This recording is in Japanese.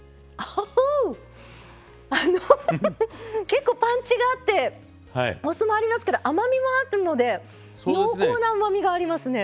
結構パンチがあってお酢もありますけど甘みもありますから濃厚なうまみがありますね。